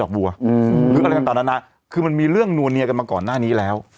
วัวหรืออะไรต่างนานาคือมันมีเรื่องนัวเนียกันมาก่อนหน้านี้แล้ว